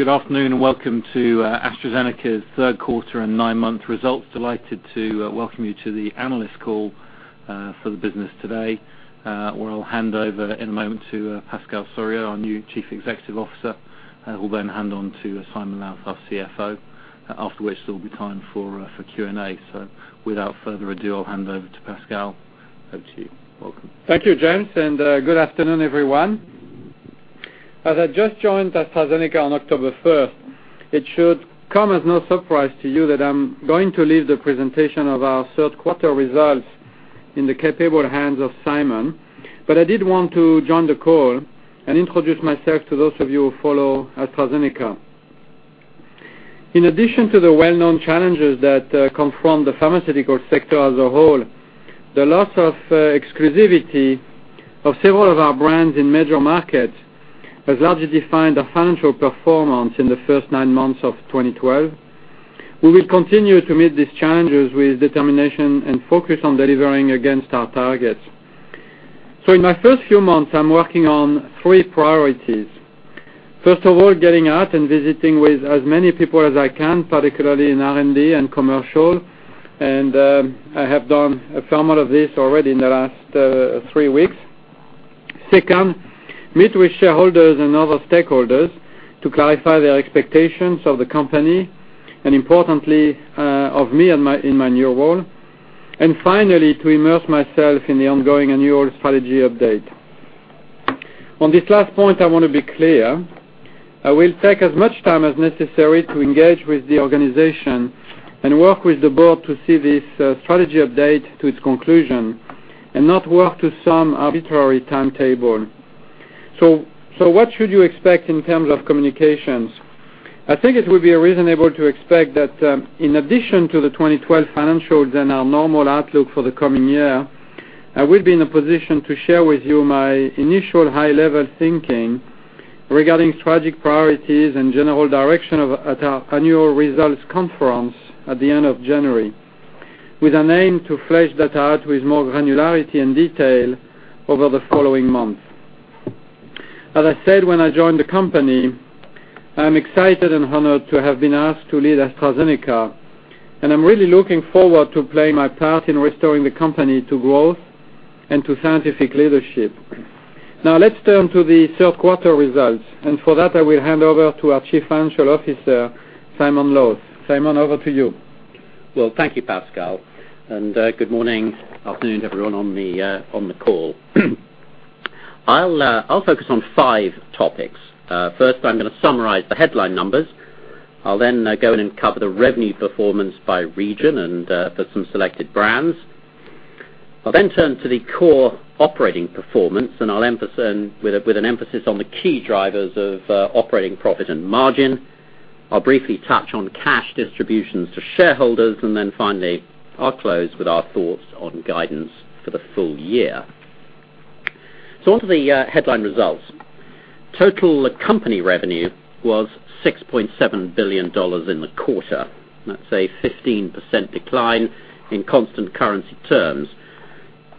Good afternoon, and welcome to AstraZeneca's third quarter and nine-month results. Delighted to welcome you to the analyst call for the business today, where I'll hand over in a moment to Pascal Soriot, our new Chief Executive Officer, who will then hand on to Simon Lowth, our CFO. After which, there will be time for Q&A. Without further ado, I'll hand over to Pascal. Over to you. Welcome. Thank you, James, and good afternoon, everyone. As I just joined AstraZeneca on October 1st, it should come as no surprise to you that I'm going to leave the presentation of our third quarter results in the capable hands of Simon. I did want to join the call and introduce myself to those of you who follow AstraZeneca. In addition to the well-known challenges that confront the pharmaceutical sector as a whole, the loss of exclusivity of several of our brands in major markets has largely defined our financial performance in the first nine months of 2012. We will continue to meet these challenges with determination and focus on delivering against our targets. In my first few months, I'm working on three priorities. First of all, getting out and visiting with as many people as I can, particularly in R&D and commercial, and I have done a fair amount of this already in the last three weeks. Second, meet with shareholders and other stakeholders to clarify their expectations of the company and, importantly, of me in my new role. Finally, to immerse myself in the ongoing annual strategy update. On this last point, I want to be clear. I will take as much time as necessary to engage with the organization and work with the board to see this strategy update to its conclusion and not work to some arbitrary timetable. What should you expect in terms of communications? I think it would be reasonable to expect that in addition to the 2012 financials and our normal outlook for the coming year, I will be in a position to share with you my initial high-level thinking regarding strategic priorities and general direction at our annual results conference at the end of January, with an aim to flesh that out with more granularity and detail over the following month. As I said when I joined the company, I am excited and honored to have been asked to lead AstraZeneca, and I'm really looking forward to playing my part in restoring the company to growth and to scientific leadership. Now let's turn to the third quarter results, and for that, I will hand over to our Chief Financial Officer, Simon Lowth. Simon, over to you. Well, thank you, Pascal Soriot, and good morning, afternoon, everyone on the call. I'll focus on five topics. First, I'm going to summarize the headline numbers. I'll then go in and cover the revenue performance by region and for some selected brands. I'll then turn to the core operating performance, with an emphasis on the key drivers of operating profit and margin. I'll briefly touch on cash distributions to shareholders. Then finally, I'll close with our thoughts on guidance for the full year. On to the headline results. Total company revenue was $6.7 billion in the quarter. That's a 15% decline in constant currency terms.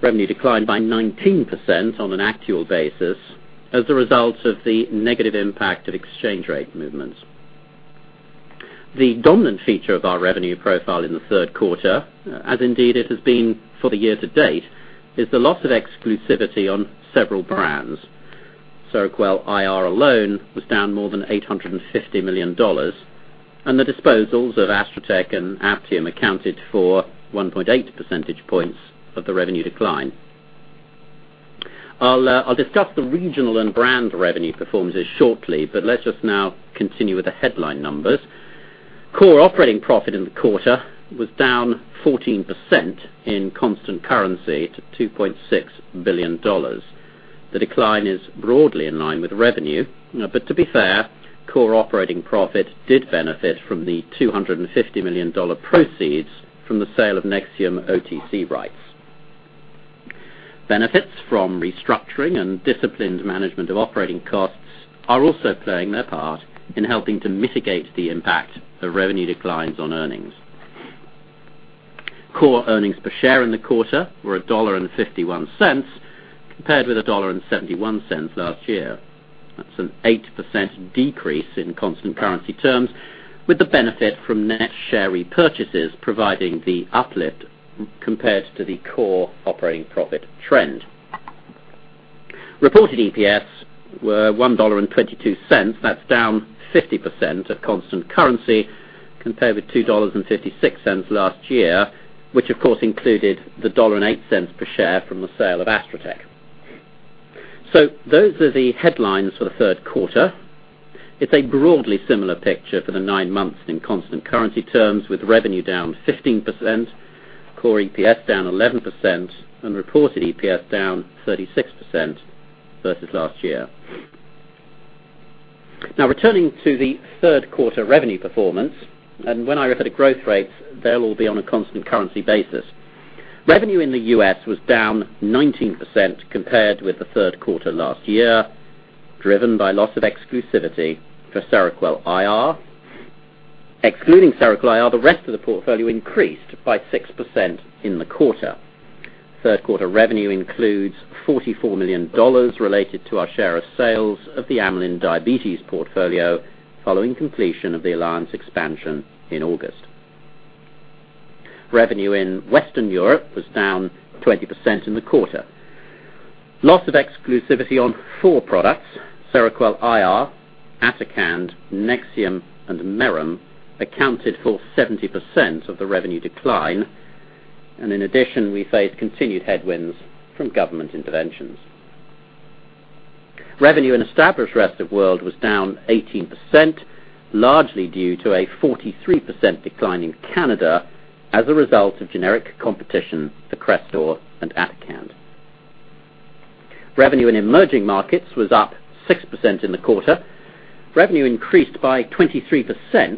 Revenue declined by 19% on an actual basis as a result of the negative impact of exchange rate movements. The dominant feature of our revenue profile in the third quarter, as indeed it has been for the year to date, is the loss of exclusivity on several brands. Seroquel IR alone was down more than $850 million. The disposals of Astra Tech and Aptium Oncology accounted for 1.8 percentage points of the revenue decline. I'll discuss the regional and brand revenue performances shortly. Let's just now continue with the headline numbers. Core operating profit in the quarter was down 14% in constant currency to $2.6 billion. The decline is broadly in line with revenue. To be fair, core operating profit did benefit from the $250 million proceeds from the sale of Nexium OTC rights. Benefits from restructuring and disciplined management of operating costs are also playing their part in helping to mitigate the impact of revenue declines on earnings. Core earnings per share in the quarter were $1.51, compared with $1.71 last year. That's an 8% decrease in constant currency terms, with the benefit from net share repurchases providing the uplift compared to the core operating profit trend. Reported EPS were $1.22. That's down 50% at constant currency compared with $2.56 last year, which of course included the $1.08 per share from the sale of Astra Tech. Those are the headlines for the third quarter. It's a broadly similar picture for the nine months in constant currency terms, with revenue down 15%, core EPS down 11%, and reported EPS down 36% versus last year. Returning to the third quarter revenue performance. When I refer to growth rates, they'll all be on a constant currency basis. Revenue in the U.S. was down 19% compared with the third quarter last year, driven by loss of exclusivity for Seroquel IR. Excluding Seroquel IR, the rest of the portfolio increased by 6% in the quarter. Third quarter revenue includes $44 million related to our share of sales of the Amylin Diabetes portfolio following completion of the alliance expansion in August. Revenue in Western Europe was down 20% in the quarter. Loss of exclusivity on four products, Seroquel IR, Atacand, Nexium, and Merrem, accounted for 70% of the revenue decline. In addition, we faced continued headwinds from government interventions. Revenue in established rest of world was down 18%, largely due to a 43% decline in Canada as a result of generic competition for Crestor and Atacand. Revenue in emerging markets was up 6% in the quarter. Revenue increased by 23%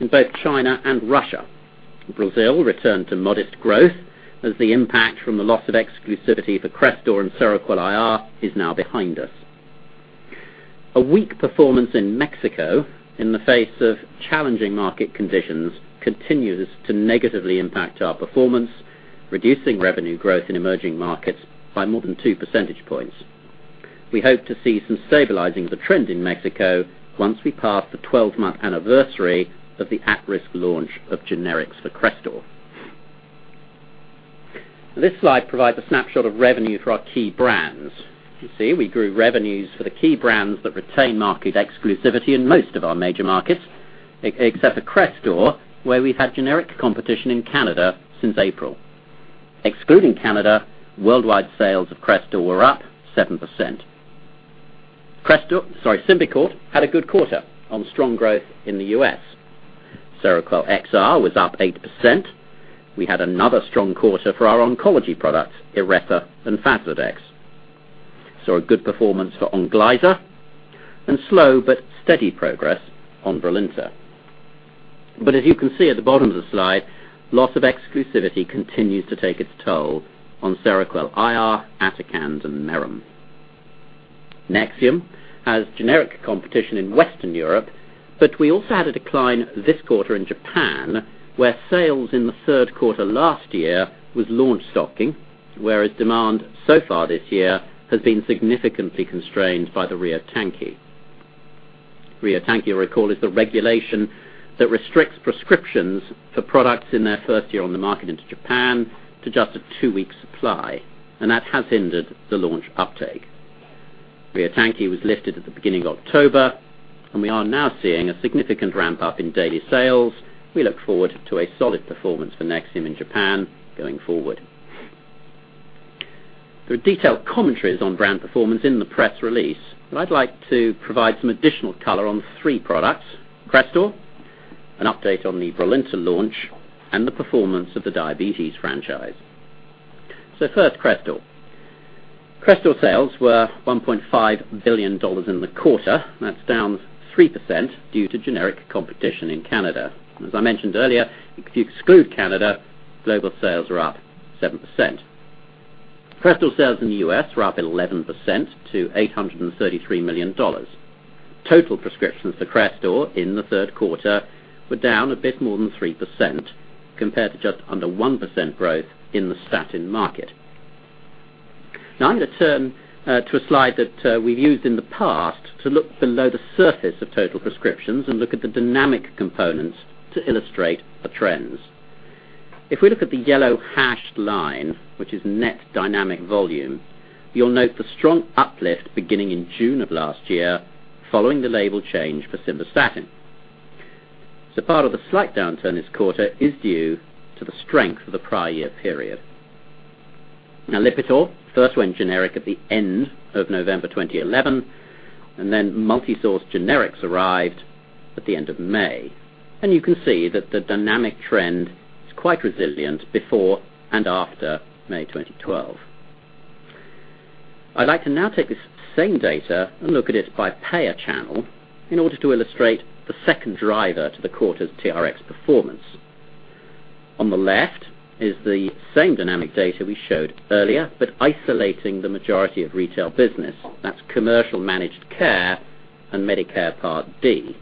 in both China and Russia. Brazil returned to modest growth as the impact from the loss of exclusivity for Crestor and Seroquel IR is now behind us. A weak performance in Mexico in the face of challenging market conditions continues to negatively impact our performance, reducing revenue growth in emerging markets by more than two percentage points. We hope to see some stabilizing the trend in Mexico once we pass the 12-month anniversary of the at-risk launch of generics for Crestor. This slide provides a snapshot of revenue for our key brands. You see we grew revenues for the key brands that retain market exclusivity in most of our major markets, except for Crestor, where we've had generic competition in Canada since April. Excluding Canada, worldwide sales of Crestor were up 7%. Symbicort had a good quarter on strong growth in the U.S. Seroquel XR was up 8%. We had another strong quarter for our oncology products, Iressa and Faslodex. Saw a good performance for Onglyza, and slow but steady progress on Brilinta. As you can see at the bottom of the slide, loss of exclusivity continues to take its toll on Seroquel IR, Atacand, and Merrem. Nexium has generic competition in Western Europe, but we also had a decline this quarter in Japan, where sales in the third quarter last year was launch stocking, whereas demand so far this year has been significantly constrained by the Yakka kaikitei. Yakka kaikitei, you'll recall, is the regulation that restricts prescriptions for products in their first year on the market into Japan to just a 2-week supply, and that has hindered the launch uptake. Yakka kaikitei was lifted at the beginning of October, and we are now seeing a significant ramp-up in daily sales. We look forward to a solid performance for Nexium in Japan going forward. There are detailed commentaries on brand performance in the press release, but I'd like to provide some additional color on 3 products, Crestor, an update on the Brilinta launch, and the performance of the diabetes franchise. First, Crestor. Crestor sales were $1.5 billion in the quarter. That's down 3% due to generic competition in Canada. As I mentioned earlier, if you exclude Canada, global sales are up 7%. Crestor sales in the U.S. were up 11% to $833 million. Total prescriptions for Crestor in the third quarter were down a bit more than 3% compared to just under 1% growth in the statin market. Now I'm going to turn to a slide that we've used in the past to look below the surface of total prescriptions and look at the dynamic components to illustrate the trends. If we look at the yellow hashed line, which is net dynamic volume, you'll note the strong uplift beginning in June of last year following the label change for simvastatin. Part of the slight downturn this quarter is due to the strength of the prior year period. Lipitor first went generic at the end of November 2011, then multi-source generics arrived at the end of May. You can see that the dynamic trend is quite resilient before and after May 2012. I'd like to now take this same data and look at it by payer channel in order to illustrate the second driver to the quarter's TRX performance. On the left is the same dynamic data we showed earlier, but isolating the majority of retail business. That's commercial managed care and Medicare Part D.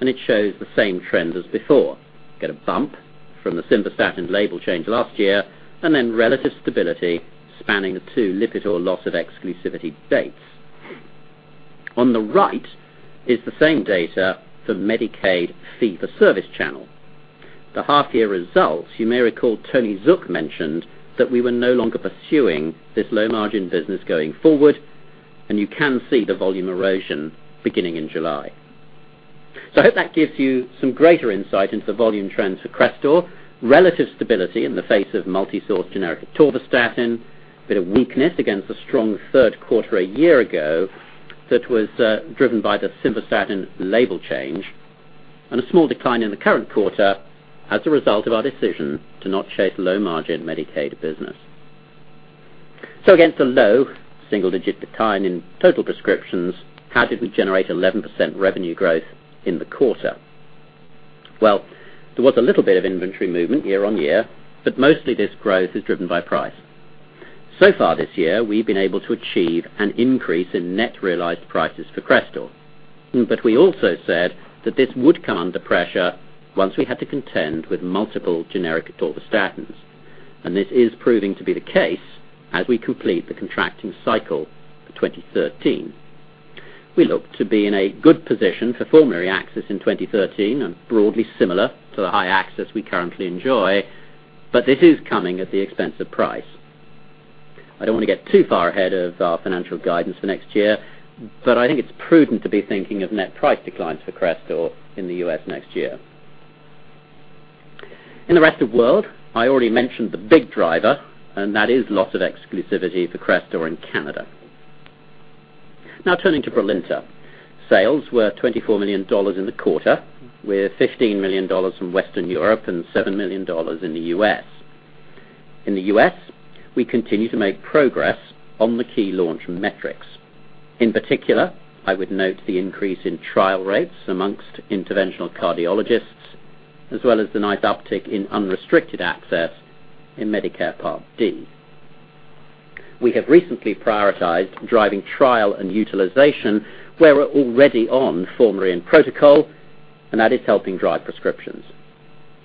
It shows the same trends as before. Get a bump from the simvastatin label change last year. Then relative stability spanning the two LIPITOR loss of exclusivity dates. On the right is the same data for Medicaid fee-for-service channel. The half-year results, you may recall Tony Zook mentioned that we were no longer pursuing this low-margin business going forward. You can see the volume erosion beginning in July. I hope that gives you some greater insight into the volume trends for Crestor. Relative stability in the face of multi-source generic atorvastatin, a bit of weakness against the strong third quarter a year ago that was driven by the simvastatin label change. A small decline in the current quarter as a result of our decision to not chase low-margin Medicaid business. Against a low double-digit decline in total prescriptions, how did we generate 11% revenue growth in the quarter? Well, there was a little bit of inventory movement year-over-year. Mostly this growth is driven by price. Far this year, we've been able to achieve an increase in net realized prices for Crestor. We also said that this would come under pressure once we had to contend with multiple generic atorvastatins. This is proving to be the case as we complete the contracting cycle for 2013. We look to be in a good position for formulary access in 2013, broadly similar to the high access we currently enjoy. This is coming at the expense of price. I don't want to get too far ahead of our financial guidance for next year, I think it's prudent to be thinking of net price declines for Crestor in the U.S. next year. In the rest of world, I already mentioned the big driver. That is loss of exclusivity for Crestor in Canada. Turning to BRILINTA. Sales were $24 million in the quarter, with $15 million from Western Europe and $7 million in the U.S. In the U.S., we continue to make progress on the key launch metrics. In particular, I would note the increase in trial rates amongst interventional cardiologists, as well as the nice uptick in unrestricted access in Medicare Part D. We have recently prioritized driving trial and utilization where we're already on formulary and protocol. That is helping drive prescriptions.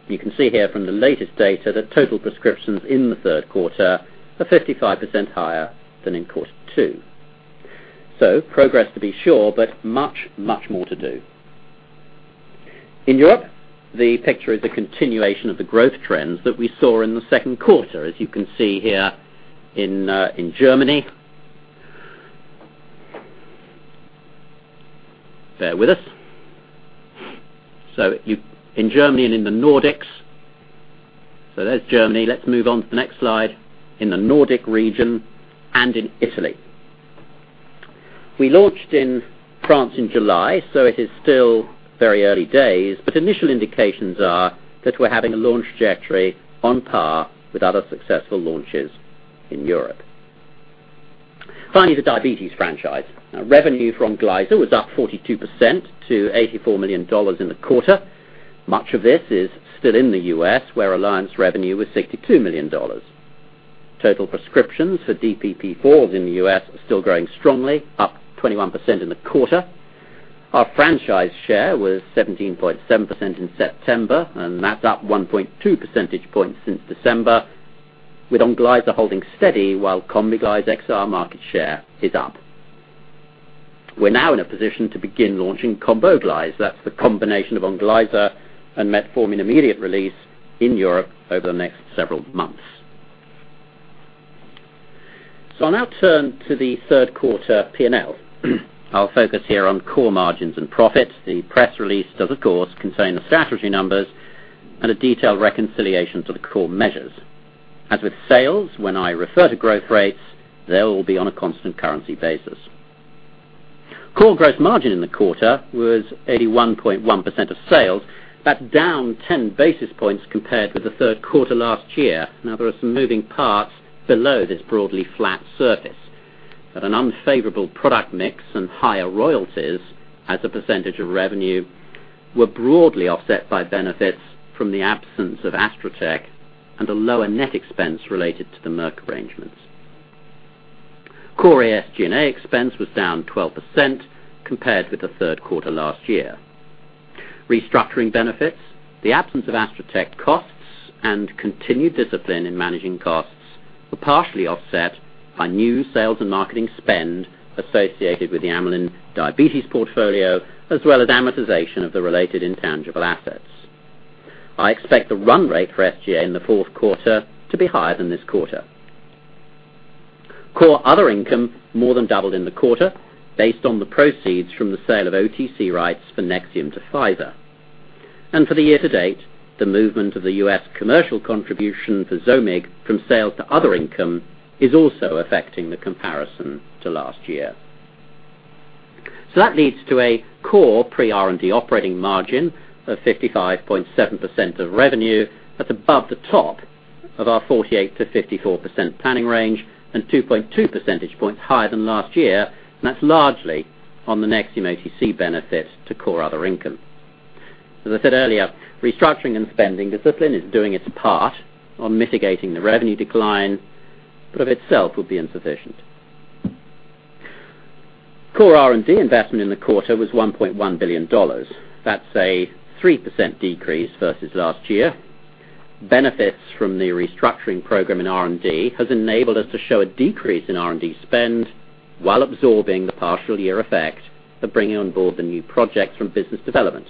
You can see here from the latest data that total prescriptions in the third quarter are 55% higher than in quarter two. Progress to be sure, much, much more to do. In Europe, the picture is a continuation of the growth trends that we saw in the second quarter. As you can see here in Germany. Bear with us. In Germany and in the Nordics. There's Germany. Let's move on to the next slide. In the Nordic region and in Italy. We launched in France in July, it is still very early days, initial indications are that we're having a launch trajectory on par with other successful launches in Europe. Finally, the diabetes franchise. Revenue from Glyxar was up 42% to $84 million in the quarter. Much of this is still in the U.S., where alliance revenue was $62 million. Total prescriptions for DPP-4s in the U.S. are still growing strongly, up 21% in the quarter. Our franchise share was 17.7% in September, that's up 1.2 percentage points since December, with ONGLYZA holding steady while Kombiglyze XR market share is up. We're now in a position to begin launching Komboglyze. That's the combination of ONGLYZA and metformin immediate release in Europe over the next several months. I'll now turn to the third quarter P&L. I'll focus here on core margins and profits. The press release does, of course, contain the statutory numbers and a detailed reconciliation to the core measures. As with sales, when I refer to growth rates, they'll all be on a constant currency basis. Core gross margin in the quarter was 81.1% of sales. That's down 10 basis points compared with the third quarter last year. There are some moving parts below this broadly flat surface, an unfavorable product mix and higher royalties as a percentage of revenue were broadly offset by benefits from the absence of Astra Tech and a lower net expense related to the Merck arrangements. Core SG&A expense was down 12% compared with the third quarter last year. Restructuring benefits, the absence of Astra Tech costs, and continued discipline in managing costs were partially offset by new sales and marketing spend associated with the Amylin diabetes portfolio, as well as amortization of the related intangible assets. I expect the run rate for SG&A in the fourth quarter to be higher than this quarter. Core other income more than doubled in the quarter, based on the proceeds from the sale of OTC rights for Nexium to Pfizer. For the year to date, the movement of the U.S. commercial contribution for Zomig from sales to other income is also affecting the comparison to last year. That leads to a core pre-R&D operating margin of 55.7% of revenue. That's above the top of our 48%-54% planning range, and 2.2 percentage points higher than last year. That's largely on the Nexium OTC benefit to core other income. As I said earlier, restructuring and spending discipline is doing its part on mitigating the revenue decline, but of itself would be insufficient. Core R&D investment in the quarter was $1.1 billion. That's a 3% decrease versus last year. Benefits from the restructuring program in R&D has enabled us to show a decrease in R&D spend while absorbing the partial year effect of bringing on board the new projects from business development,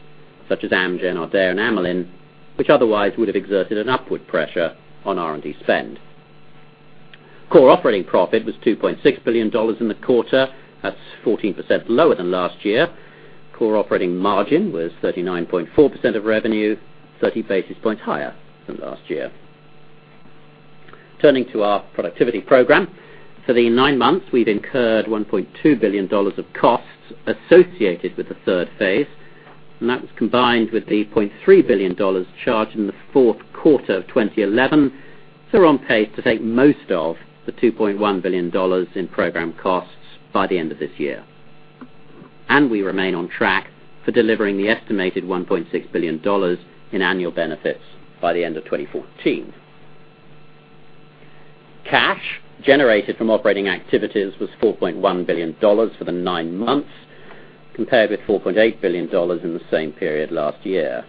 such as Amgen, Ardea, Amylin, which otherwise would have exerted an upward pressure on R&D spend. Core operating profit was $2.6 billion in the quarter. That's 14% lower than last year. Core operating margin was 39.4% of revenue, 30 basis points higher than last year. Turning to our productivity program. For the nine months, we've incurred $1.2 billion of costs associated with the third phase, that was combined with the $0.3 billion charged in the fourth quarter of 2011. We're on pace to take most of the $2.1 billion in program costs by the end of this year. We remain on track for delivering the estimated $1.6 billion in annual benefits by the end of 2014. Cash generated from operating activities was $4.1 billion for the nine months, compared with $4.8 billion in the same period last year.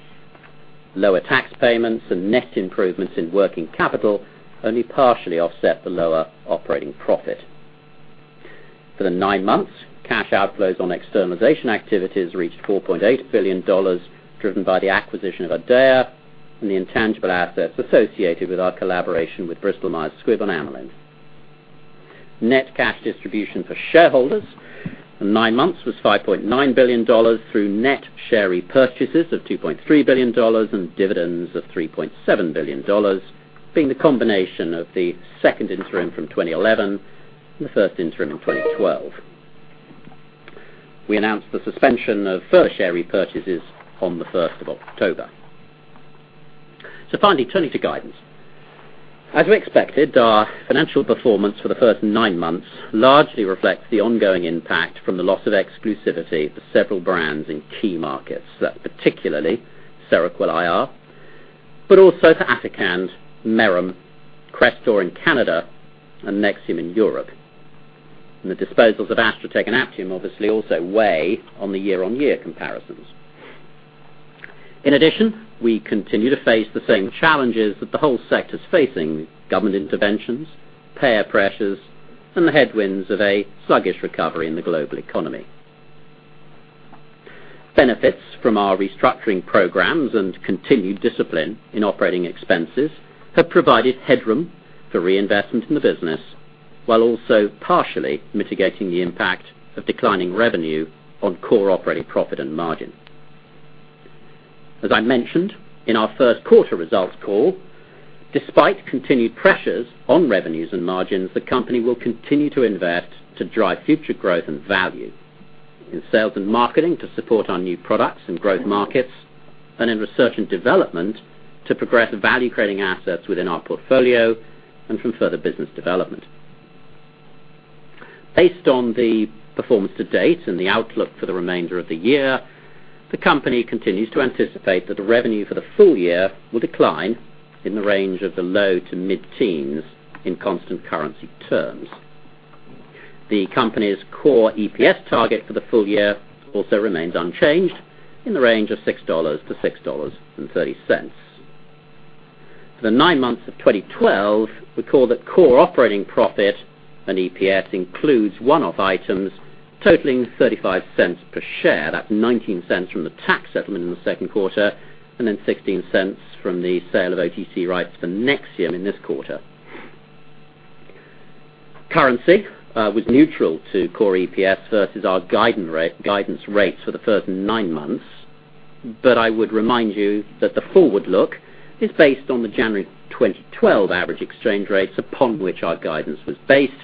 Lower tax payments and net improvements in working capital only partially offset the lower operating profit. For the nine months, cash outflows on externalization activities reached $4.8 billion, driven by the acquisition of Ardea and the intangible assets associated with our collaboration with Bristol-Myers Squibb on Amylin. Net cash distribution for shareholders for the nine months was $5.9 billion through net share repurchases of $2.3 billion and dividends of $3.7 billion, being the combination of the second interim from 2011 and the first interim in 2012. We announced the suspension of further share repurchases on the 1st of October. Finally, turning to guidance. As we expected, our financial performance for the first nine months largely reflects the ongoing impact from the loss of exclusivity for several brands in key markets. That's particularly Seroquel IR, but also for Atacand, Merrem, Crestor in Canada, and Nexium in Europe. The disposals of Astra Tech and Aptium obviously also weigh on the year-on-year comparisons. In addition, we continue to face the same challenges that the whole sector is facing: government interventions, payer pressures, and the headwinds of a sluggish recovery in the global economy. Benefits from our restructuring programs and continued discipline in operating expenses have provided headroom for reinvestment in the business while also partially mitigating the impact of declining revenue on core operating profit and margin. As I mentioned in our first quarter results call, despite continued pressures on revenues and margins, the company will continue to invest to drive future growth and value in sales and marketing to support our new products in growth markets, and in research and development to progress the value-creating assets within our portfolio and from further business development. Based on the performance to date and the outlook for the remainder of the year, the company continues to anticipate that the revenue for the full year will decline in the range of the low to mid-teens in constant currency terms. The company's core EPS target for the full year also remains unchanged in the range of $6-$6.30. For the nine months of 2012, we call that core operating profit and EPS includes one-off items totaling $0.35 per share. That's $0.19 from the tax settlement in the second quarter, $0.16 from the sale of OTC rights for Nexium in this quarter. Currency was neutral to core EPS versus our guidance rates for the first nine months, I would remind you that the forward look is based on the January 2012 average exchange rates upon which our guidance was based.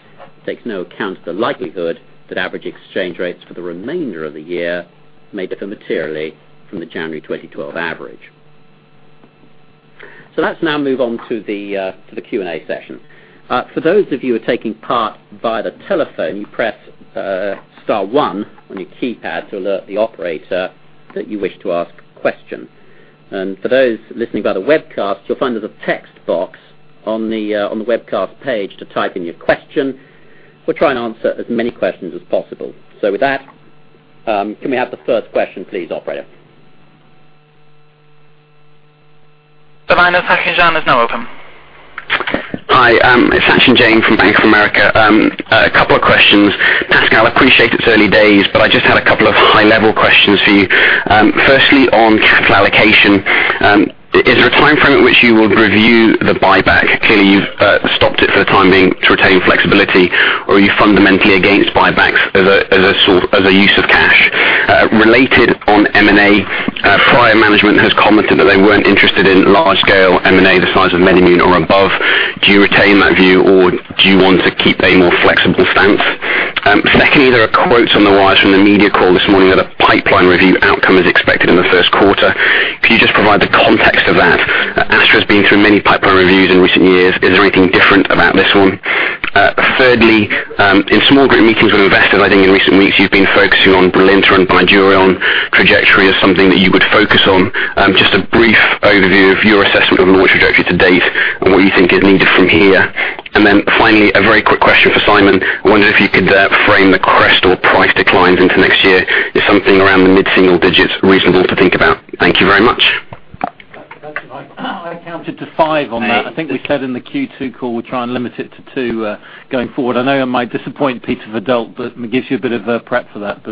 Takes no account of the likelihood that average exchange rates for the remainder of the year may differ materially from the January 2012 average. Let's now move on to the Q&A session. For those of you who are taking part via the telephone, you press star 1 on your keypad to alert the operator that you wish to ask a question. For those listening via the webcast, you'll find there's a text box on the webcast page to type in your question. We'll try and answer as many questions as possible. With that, can we have the first question, please, operator? The line for Sachin Jain is now open. Hi, it's Sachin Jain from Bank of America. A couple of questions. Pascal, appreciate it's early days, but I just had a couple of high-level questions for you. On capital allocation, is there a timeframe at which you will review the buyback? Clearly, you've stopped it for the time being to retain flexibility, or are you fundamentally against buybacks as a use of cash? Related on M&A, prior management has commented that they weren't interested in large-scale M&A the size of MedImmune or above. Do you retain that view, or do you want to keep a more flexible stance? There are quotes on the wires from the media call this morning that a pipeline review outcome is expected in the first quarter. Could you just provide the context of that? Astra has been through many pipeline reviews in recent years. Is there anything different about this one? In small group meetings with investors, I think in recent weeks you've been focusing on BRILINTA and Bydureon trajectory as something that you would focus on. Just a brief overview of your assessment of launch trajectory to date and what you think is needed from here. Finally, a very quick question for Simon. I wonder if you could frame the Crestor price declines into next year. Is something around the mid-single digits reasonable to think about? Thank you very much. I counted to five on that. I think we said in the Q2 call we'll try and limit it to two going forward. I know I might disappoint Peter Verdult, but it gives you a bit of a prep for that.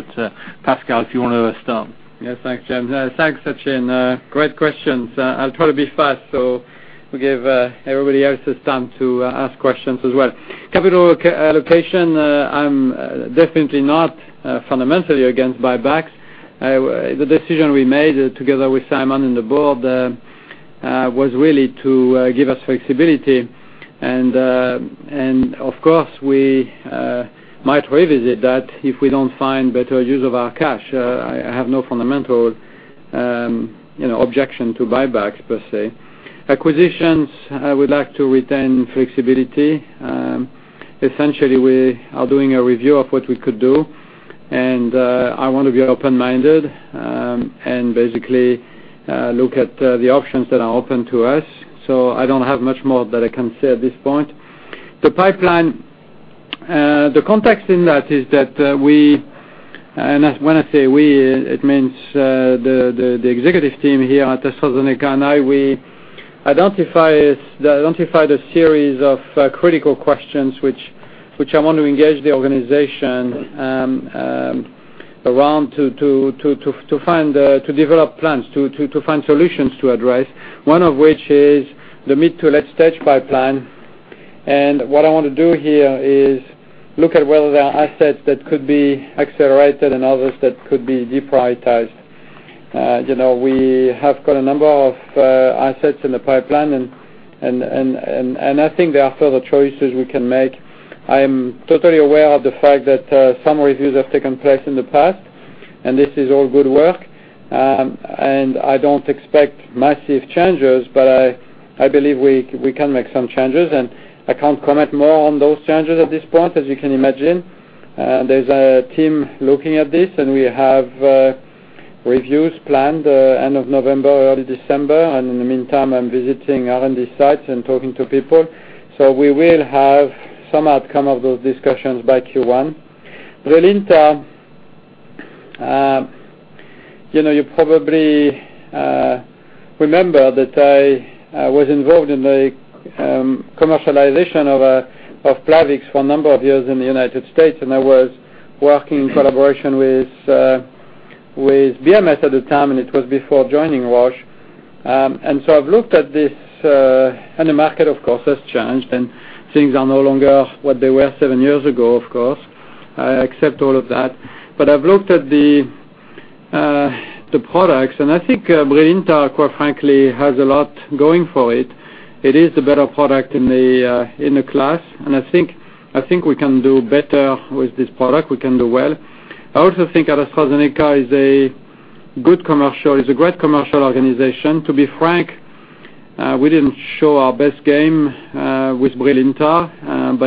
Pascal, if you want to start. Yes, thanks, James. Thanks, Sachin. Great questions. I'll try to be fast, so we give everybody else a chance to ask questions as well. Capital allocation, I'm definitely not fundamentally against buybacks. The decision we made together with Simon and the board was really to give us flexibility, and of course, we might revisit that if we don't find better use of our cash. I have no fundamental objection to buybacks per se. Acquisitions, I would like to retain flexibility. Essentially, we are doing a review of what we could do, and I want to be open-minded and basically look at the options that are open to us. I don't have much more that I can say at this point. The pipeline. The context in that is that we, and when I say we, it means the executive team here at AstraZeneca and I, we identified a series of critical questions which I want to engage the organization around to develop plans, to find solutions to address, one of which is the mid- to late-stage pipeline. What I want to do here is look at whether there are assets that could be accelerated and others that could be deprioritized. We have got a number of assets in the pipeline, and I think there are further choices we can make. I am totally aware of the fact that some reviews have taken place in the past, and this is all good work. I don't expect massive changes, but I believe we can make some changes, and I can't comment more on those changes at this point, as you can imagine. There's a team looking at this, and we have reviews planned end of November, early December, and in the meantime, I'm visiting R&D sites and talking to people. So we will have some outcome of those discussions by Q1. BRILINTA. You probably remember that I was involved in the commercialization of Plavix for a number of years in the U.S., and I was working in collaboration with BMS at the time, and it was before joining Roche. I've looked at this, and the market, of course, has changed, and things are no longer what they were seven years ago, of course. I accept all of that. I've looked at the products, and I think BRILINTA, quite frankly, has a lot going for it. It is a better product in the class, and I think we can do better with this product. We can do well. I also think AstraZeneca is a great commercial organization. To be frank, we didn't show our best game with BRILINTA,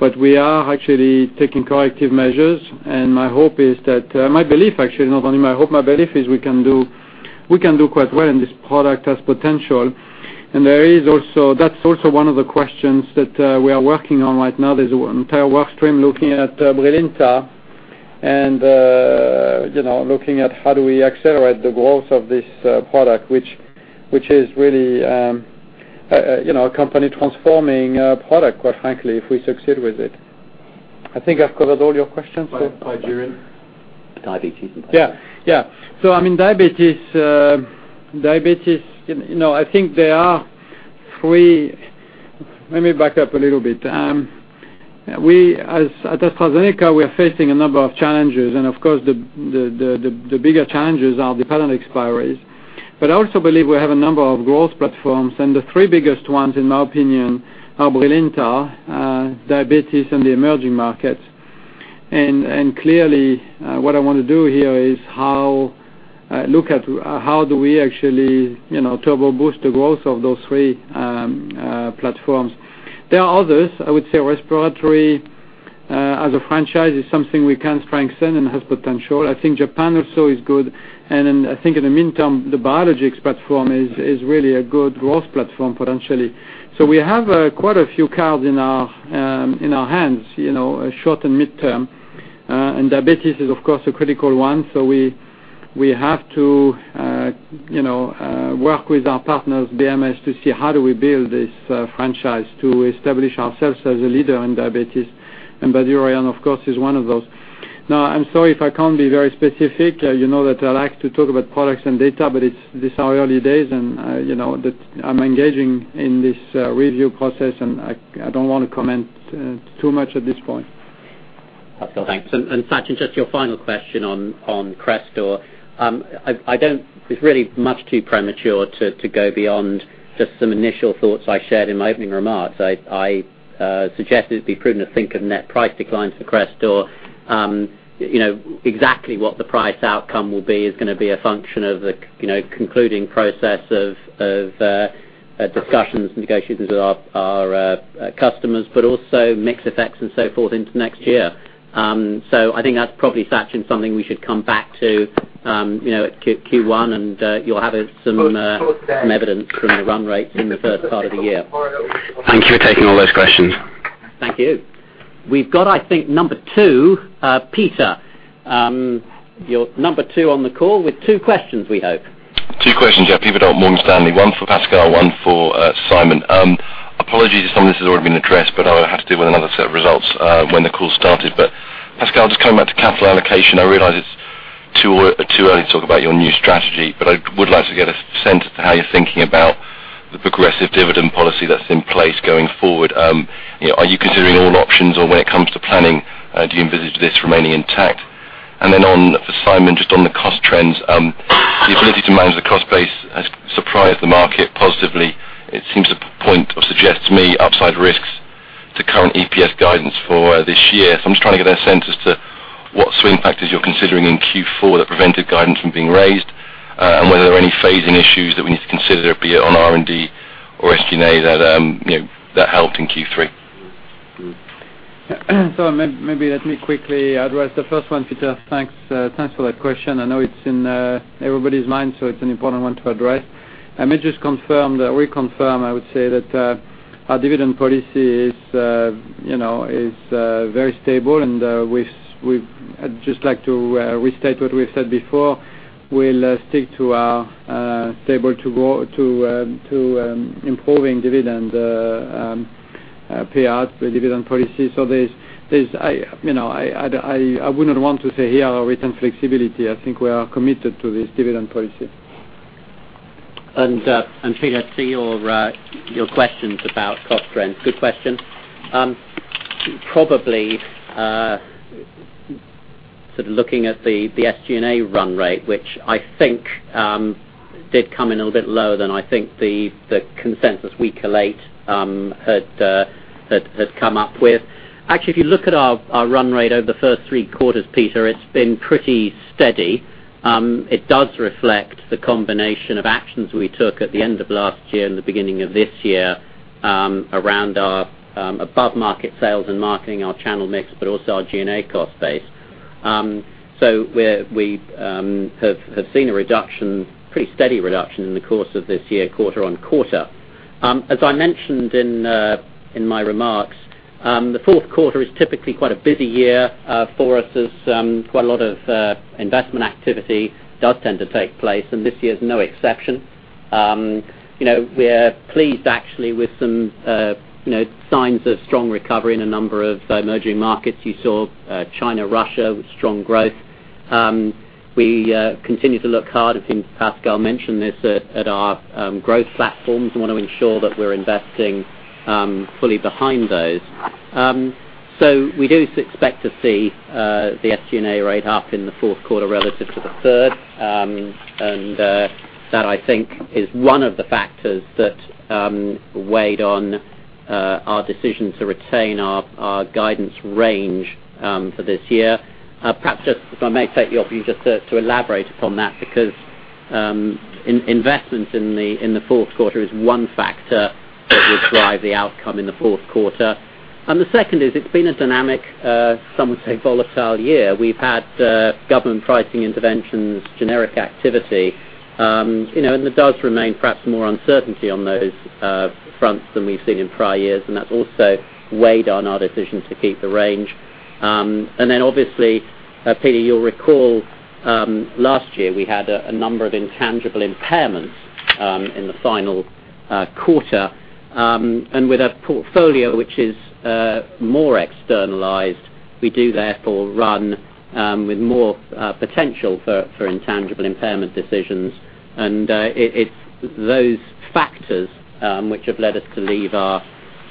but we are actually taking corrective measures, and my belief, actually, not only my hope, my belief is we can do quite well, and this product has potential. That's also one of the questions that we are working on right now. There's an entire work stream looking at BRILINTA and looking at how do we accelerate the growth of this product, which is really a company transforming product, quite frankly, if we succeed with it. I think I've covered all your questions. Bydureon? Diabetes and Bydureon. Diabetes, I think there are three. Let me back up a little bit. At AstraZeneca, we are facing a number of challenges, and of course, the bigger challenges are the patent expiries. I also believe we have a number of growth platforms, and the three biggest ones, in my opinion, are BRILINTA, diabetes, and the emerging markets. Clearly, what I want to do here is look at how do we actually turbo boost the growth of those three platforms. There are others. I would say respiratory as a franchise is something we can strengthen and has potential. I think Japan also is good. Then I think in the meantime, the biologics platform is really a good growth platform potentially. We have quite a few cards in our hands, short and midterm. Diabetes is, of course, a critical one. We have to work with our partners, BMS, to see how do we build this franchise to establish ourselves as a leader in diabetes. Bydureon, of course, is one of those. Now, I'm sorry if I can't be very specific. You know that I like to talk about products and data, these are early days, I'm engaging in this review process, I don't want to comment too much at this point. Thanks. Sachin, just your final question on Crestor. It's really much too premature to go beyond just some initial thoughts I shared in my opening remarks. I suggested it'd be prudent to think of net price declines for Crestor. Exactly what the price outcome will be is going to be a function of the concluding process of discussions and negotiations with our customers, but also mix effects and so forth into next year. I think that's probably, Sachin, something we should come back to at Q1, and you'll have some evidence from the run rates in the first part of the year. Thank you for taking all those questions. Thank you. We've got, I think, number 2. Peter, you're number 2 on the call with two questions, we hope. Two questions, yeah. Peter Verdult, Morgan Stanley, one for Pascal, one for Simon. Apologies if some of this has already been addressed, I had to deal with another set of results when the call started. Pascal, just coming back to capital allocation, I realize it's too early to talk about your new strategy, I would like to get a sense of how you're thinking about the progressive dividend policy that's in place going forward. Are you considering all options, when it comes to planning, do you envisage this remaining intact? For Simon, just on the cost trends. The ability to manage the cost base has surprised the market positively. It seems a point of suggests to me upside risks current EPS guidance for this year. I'm just trying to get a sense as to what swing factors you're considering in Q4 that prevented guidance from being raised, and whether there are any phasing issues that we need to consider, be it on R&D or SG&A that helped in Q3. Maybe let me quickly address the first one, Peter. Thanks for that question. I know it's in everybody's mind, so it's an important one to address. Let me just reconfirm, I would say, that our dividend policy is very stable, and I'd just like to restate what we've said before. We'll stick to our stable to improving dividend payout, the dividend policy. I would not want to say here a written flexibility. I think we are committed to this dividend policy. Peter, to your questions about cost trends. Good question. Probably, sort of looking at the SG&A run rate, which I think did come in a little bit lower than, I think, the consensus we collate has come up with. Actually, if you look at our run rate over the first three quarters, Peter, it's been pretty steady. It does reflect the combination of actions we took at the end of last year and the beginning of this year around our above-market sales and marketing, our channel mix, but also our G&A cost base. We have seen a pretty steady reduction in the course of this year, quarter on quarter. As I mentioned in my remarks, the fourth quarter is typically quite a busy year for us, as quite a lot of investment activity does tend to take place, and this year is no exception. We're pleased, actually, with some signs of strong recovery in a number of emerging markets. You saw China, Russia with strong growth. We continue to look hard, I think Pascal mentioned this, at our growth platforms. We want to ensure that we're investing fully behind those. We do expect to see the SG&A rate up in the fourth quarter relative to the third. That, I think, is one of the factors that weighed on our decision to retain our guidance range for this year. Perhaps, if I may take it off you just to elaborate upon that, because investment in the fourth quarter is one factor that will drive the outcome in the fourth quarter. The second is it's been a dynamic, some would say volatile year. We've had government pricing interventions, generic activity, there does remain perhaps more uncertainty on those fronts than we've seen in prior years, and that's also weighed on our decision to keep the range. Obviously, Peter, you'll recall, last year, we had a number of intangible impairments in the final quarter. With a portfolio which is more externalized, we do therefore run with more potential for intangible impairment decisions. It's those factors which have led us to leave our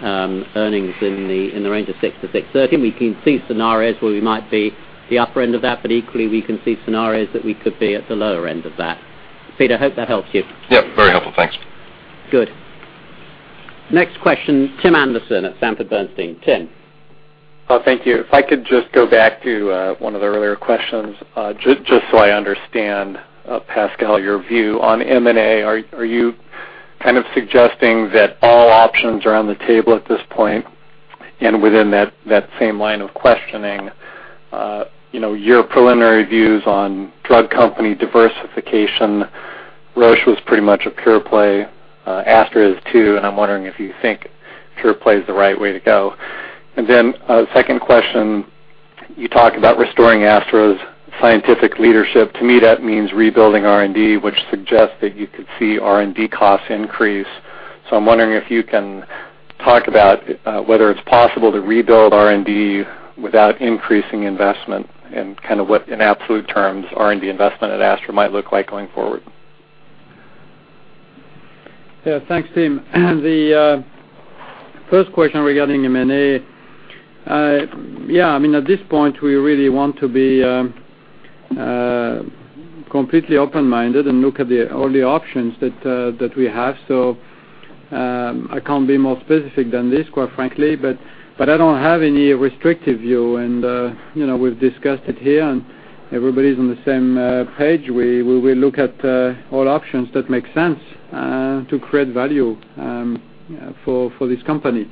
earnings in the range of $6-$6.30. We can see scenarios where we might be the upper end of that, but equally, we can see scenarios that we could be at the lower end of that. Peter, I hope that helps you. Yeah. Very helpful. Thanks. Good. Next question, Tim Anderson at Sanford C. Bernstein. Tim. Thank you. If I could just go back to one of the earlier questions, just so I understand, Pascal, your view on M&A. Are you kind of suggesting that all options are on the table at this point? Within that same line of questioning, your preliminary views on drug company diversification. Roche was pretty much a pure play. AstraZeneca is, too, and I'm wondering if you think pure play is the right way to go. Second question, you talked about restoring AstraZeneca's scientific leadership. To me, that means rebuilding R&D, which suggests that you could see R&D costs increase. I'm wondering if you can talk about whether it's possible to rebuild R&D without increasing investment and kind of what, in absolute terms, R&D investment at AstraZeneca might look like going forward. Thanks, Tim. The first question regarding M&A. At this point, we really want to be completely open-minded and look at all the options that we have. I can't be more specific than this, quite frankly, but I don't have any restrictive view. We've discussed it here, and everybody's on the same page. We will look at all options that make sense to create value for this company.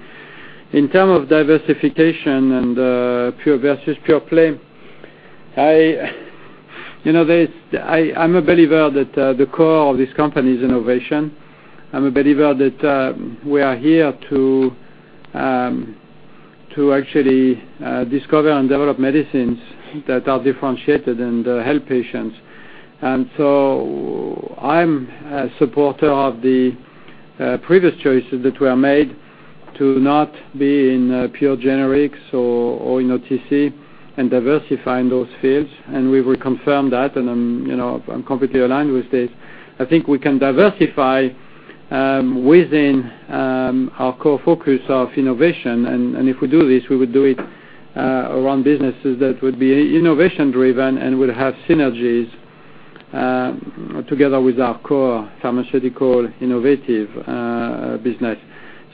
In term of diversification and pure versus pure play, I'm a believer that the core of this company is innovation. I'm a believer that we are here to actually discover and develop medicines that are differentiated and help patients. I'm a supporter of the previous choices that were made to not be in pure generics or in OTC and diversifying those fields, and we will confirm that, and I'm completely aligned with this. I think we can diversify within our core focus of innovation, and if we do this, we would do it around businesses that would be innovation driven and would have synergies together with our core pharmaceutical innovative business.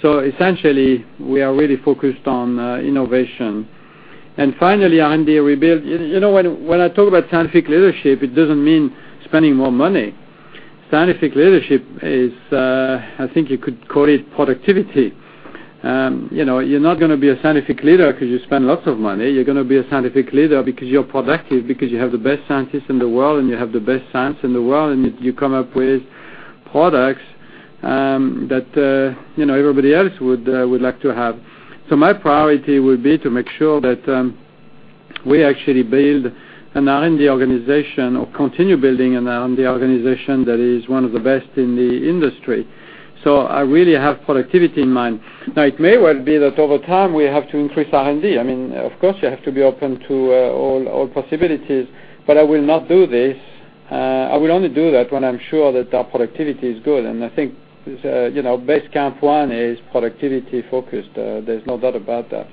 Essentially, we are really focused on innovation. Finally, R&D rebuild. When I talk about scientific leadership, it doesn't mean spending more money. Scientific leadership is, I think you could call it productivity. You're not going to be a scientific leader because you spend lots of money. You're going to be a scientific leader because you're productive, because you have the best scientists in the world, and you have the best science in the world, and you come up with products that everybody else would like to have. My priority would be to make sure that we actually build an R&D organization or continue building an R&D organization that is one of the best in the industry. I really have productivity in mind. It may well be that over time, we have to increase R&D. Of course, you have to be open to all possibilities, but I will not do this. I will only do that when I'm sure that our productivity is good, and I think Base Camp One is productivity-focused. There's no doubt about that.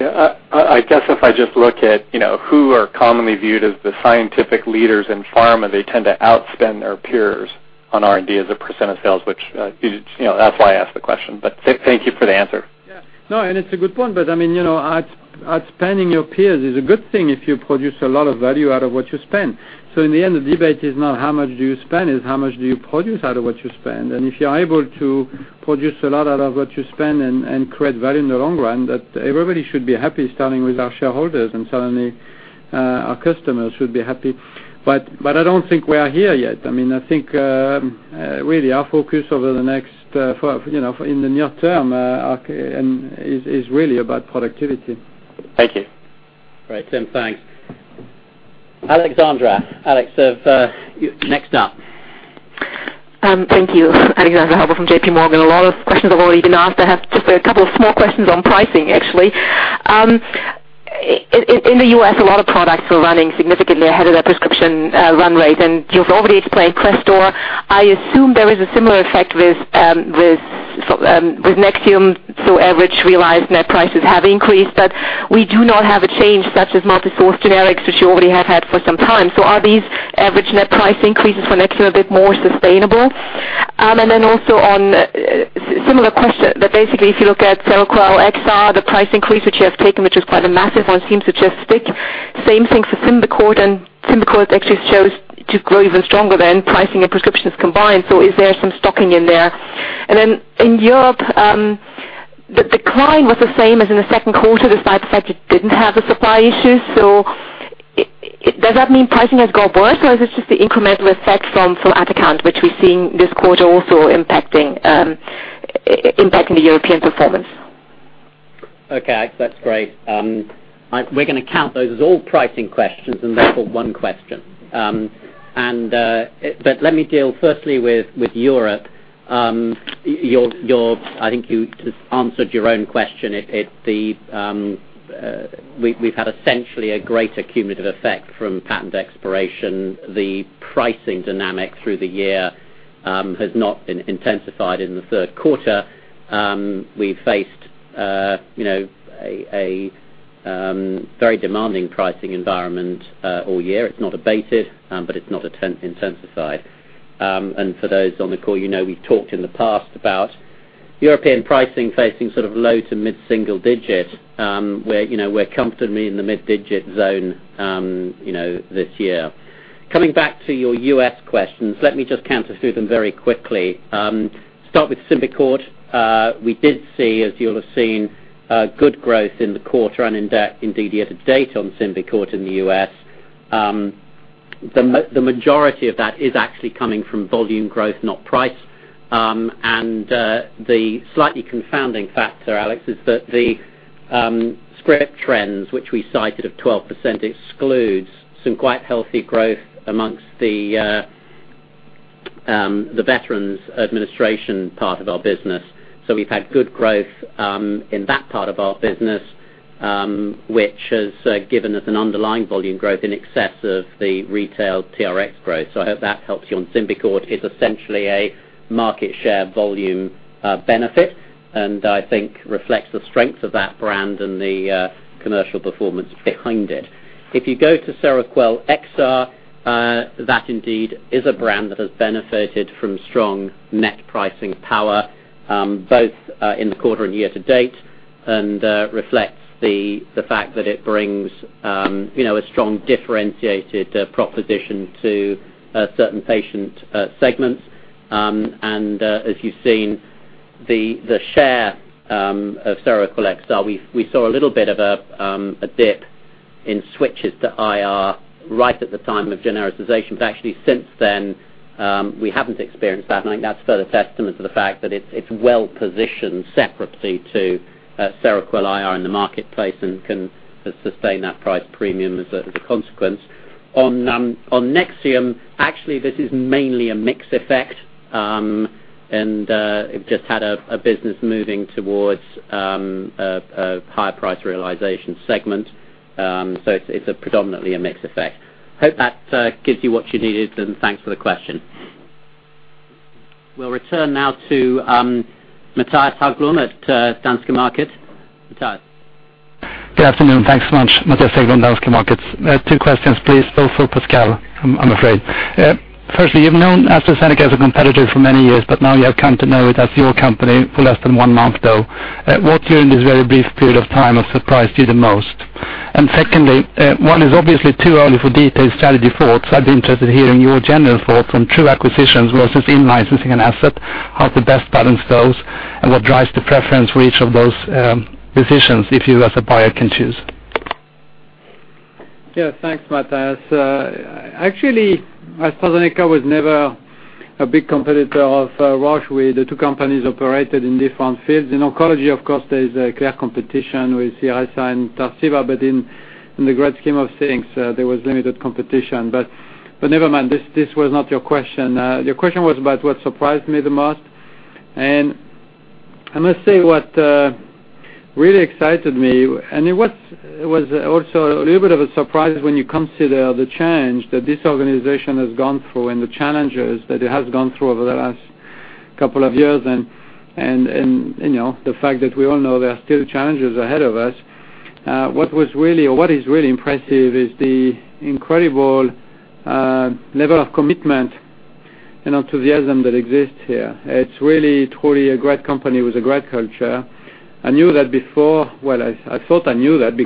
Yeah. I guess if I just look at who are commonly viewed as the scientific leaders in pharma, they tend to outspend their peers on R&D as a % of sales, which, that's why I asked the question. Thank you for the answer. Yeah. No, it's a good point. Outspending your peers is a good thing if you produce a lot of value out of what you spend. In the end, the debate is not how much do you spend, it's how much do you produce out of what you spend. If you're able to produce a lot out of what you spend and create value in the long run, everybody should be happy, starting with our shareholders, and certainly our customers should be happy. I don't think we are here yet. I think, really, our focus in the near term, is really about productivity. Thank you. Great, Tim, thanks. Alexandra, Alex, you're next up. Thank you. Alexandra Horvath from J.P. Morgan. A lot of questions have already been asked. I have just a couple of small questions on pricing, actually. In the U.S., a lot of products are running significantly ahead of their prescription run rate, and you've already explained Crestor. I assume there is a similar effect with Nexium, average realized net prices have increased, but we do not have a change such as multi-source generics, which you already have had for some time. Are these average net price increases for Nexium a bit more sustainable? Also on, similar question, but basically, if you look at SEROQUEL XR, the price increase which you have taken, which was quite a massive one, seems to just stick. Same thing for Symbicort actually shows to grow even stronger than pricing and prescriptions combined, is there some stocking in there? In Europe, the decline was the same as in the second quarter, despite the fact it didn't have the supply issues. Does that mean pricing has got worse, or is this just the incremental effect from our accounts, which we're seeing this quarter also impacting the European performance? Okay, Alex, that's great. We're going to count those as all pricing questions and they're for one question. Let me deal firstly with Europe. I think you answered your own question. We've had essentially a greater cumulative effect from patent expiration. The pricing dynamic through the year has not been intensified in the third quarter. We've faced a very demanding pricing environment all year. It's not abated, it's not intensified. For those on the call, you know we've talked in the past about European pricing facing low to mid-single digit, where we're comfortably in the mid-digit zone this year. Coming back to your U.S. questions, let me just run through them very quickly. Start with Symbicort. We did see, as you'll have seen, good growth in the quarter and indeed year to date on Symbicort in the U.S. The majority of that is actually coming from volume growth, not price. The slightly confounding factor, Alex, is that the script trends, which we cited of 12%, excludes some quite healthy growth amongst the Veterans Administration part of our business. We've had good growth in that part of our business, which has given us an underlying volume growth in excess of the retail TRX growth. I hope that helps you on Symbicort. It's essentially a market share volume benefit, reflects the strength of that brand and the commercial performance behind it. If you go to SEROQUEL XR, that indeed is a brand that has benefited from strong net pricing power, both in the quarter and year to date, reflects the fact that it brings a strong differentiated proposition to certain patient segments. As you've seen, the share of SEROQUEL XR, we saw a little bit of a dip in switches to IR right at the time of genericization. Actually, since then, we haven't experienced that, and I think that's further testament to the fact that it's well-positioned separately to Seroquel IR in the marketplace and can sustain that price premium as a consequence. On Nexium, actually, this is mainly a mix effect, and we've just had a business moving towards a higher price realization segment. It's predominantly a mix effect. Hope that gives you what you needed, and thanks for the question. We'll return now to Mattias Häggblom at Danske Markets. Mattias. Good afternoon. Thanks so much. Mattias Häggblom, Danske Markets. Two questions, please. Both for Pascal, I'm afraid. Firstly, you've known AstraZeneca as a competitor for many years, but now you have come to know it as your company, for less than one month, though. What, during this very brief period of time, has surprised you the most? Secondly, one, it's obviously too early for detailed strategy thoughts. I'd be interested in hearing your general thoughts on true acquisitions versus in-licensing an asset, how to best balance those, and what drives the preference for each of those decisions, if you, as a buyer, can choose. Thanks, Mattias. Actually, AstraZeneca was never a big competitor of Roche. We, the two companies, operated in different fields. In oncology, of course, there is a clear competition with Iressa and Tarceva, but in the grand scheme of things, there was limited competition. Never mind, this was not your question. Your question was about what surprised me the most. I must say, what really excited me, and it was also a little bit of a surprise when you consider the change that this organization has gone through and the challenges that it has gone through over the last couple of years and the fact that we all know there are still challenges ahead of us. What is really impressive is the incredible level of commitment and enthusiasm that exists here. It's really, truly a great company with a great culture. I knew that before. Well, I thought I knew that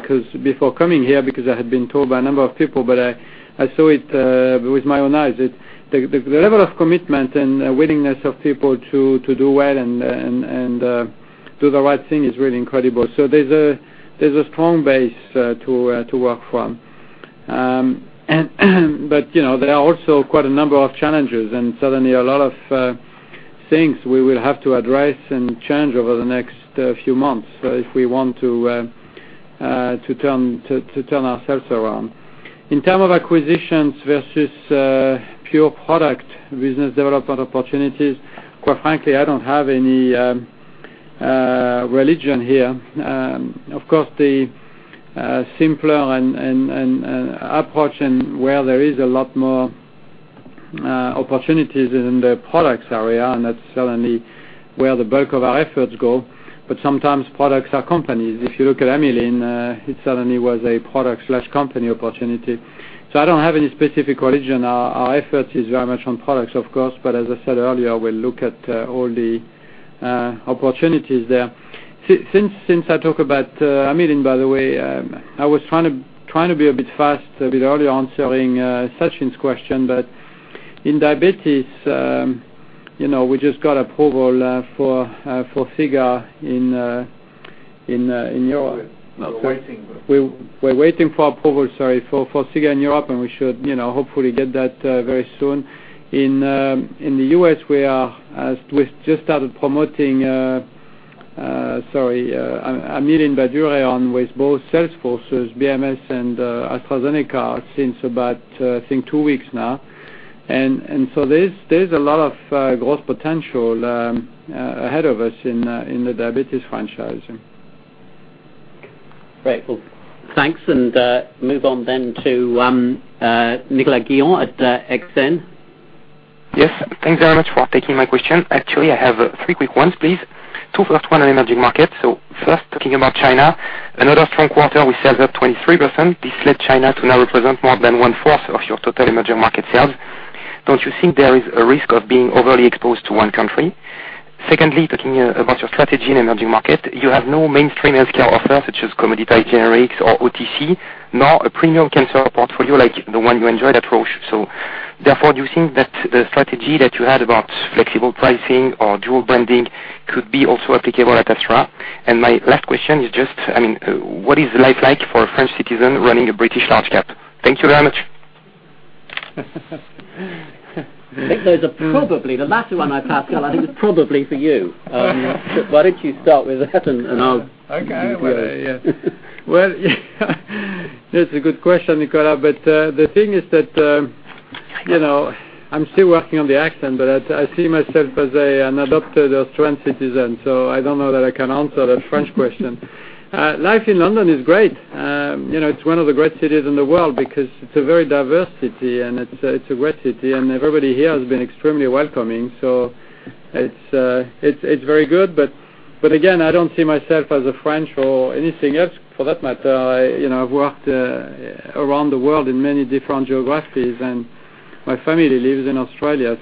before coming here because I had been told by a number of people, but I saw it with my own eyes. The level of commitment and willingness of people to do well and do the right thing is really incredible. There's a strong base to work from. There are also quite a number of challenges, and certainly a lot of things we will have to address and change over the next few months if we want to turn ourselves around. In terms of acquisitions versus pure product business development opportunities, quite frankly, I don't have any religion here. Of course, the simpler approach and where there is a lot more opportunities is in the products area, and that's certainly where the bulk of our efforts go. Sometimes products are companies. If you look at Amylin, it certainly was a product/company opportunity. I don't have any specific religion. Our effort is very much on products, of course, but as I said earlier, we'll look at all the opportunities there. Since I talk about Amylin, by the way, I was trying to be a bit fast a bit earlier answering Sachin's question, but in diabetes, we just got approval for Forxiga in Europe. We're waiting. We're waiting for approval, sorry, for Forxiga in Europe, we should hopefully get that very soon. In the U.S., we've just started promoting, sorry, Amylin Bydureon with both sales forces, BMS and AstraZeneca, since about, I think, two weeks now. There's a lot of growth potential ahead of us in the diabetes franchising. Great. Well, thanks. Move on then to Nicolas Guillon at Exane. Yes. Thanks very much for taking my question. Actually, I have three quick ones, please. Two first one emerging market. First, talking about China. Another strong quarter. We saw that 23%. This led China to now represent more than one-fourth of your total emerging market sales. Don't you think there is a risk of being overly exposed to one country? Secondly, talking about your strategy in emerging market. You have no mainstream healthcare offer, such as commodity generics or OTC, nor a premium cancer portfolio like the one you enjoy at Roche. Therefore, do you think that the strategy that you had about flexible pricing or dual branding could be also applicable at Astra? My last question is just, what is life like for a French citizen running a British large cap? Thank you very much. I think those are probably, the latter one, Pascal, I think is probably for you. Oh, yeah. Why don't you start with that and I'll- Okay. That's a good question, Nicolas. The thing is that I'm still working on the accent, but I see myself as an adopted Australian citizen, so I don't know that I can answer that French question. Life in London is great. It's one of the great cities in the world because it's a very diverse city, and it's a wet city, and everybody here has been extremely welcoming. It's very good. Again, I don't see myself as a French or anything else for that matter. I've worked around the world in many different geographies, and my family lives in Australia,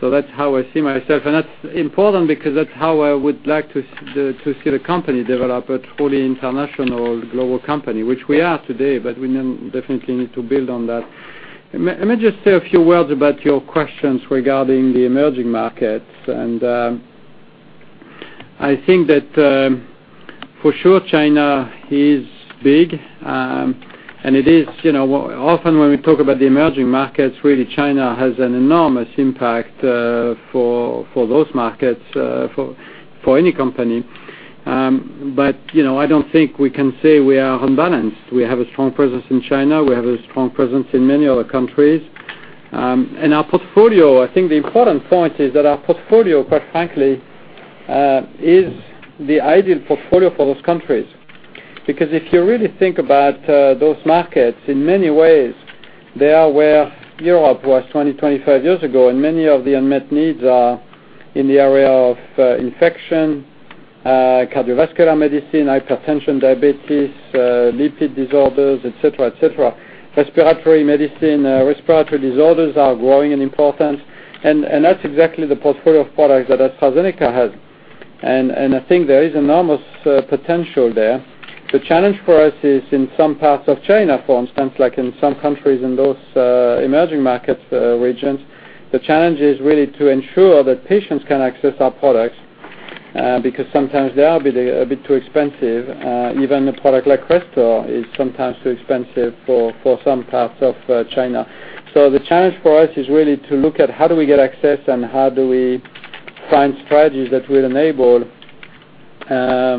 so that's how I see myself. That's important because that's how I would like to see the company develop, a truly international global company. Which we are today, but we definitely need to build on that. Let me just say a few words about your questions regarding the emerging markets. I think that for sure, China is big. Often when we talk about the emerging markets, really, China has an enormous impact for those markets for any company. I don't think we can say we are unbalanced. We have a strong presence in China. We have a strong presence in many other countries. Our portfolio, I think the important point is that our portfolio, quite frankly, is the ideal portfolio for those countries. Because if you really think about those markets, in many ways, they are where Europe was 20, 25 years ago, and many of the unmet needs are in the area of infection, cardiovascular medicine, hypertension, diabetes, lipid disorders, et cetera. Respiratory medicine, respiratory disorders are growing in importance, and that's exactly the portfolio of products that AstraZeneca has. I think there is enormous potential there. The challenge for us is in some parts of China, for instance, like in some countries in those emerging market regions, the challenge is really to ensure that patients can access our products, because sometimes they are a bit too expensive. Even a product like Crestor is sometimes too expensive for some parts of China. The challenge for us is really to look at how do we get access, and how do we find strategies that will enable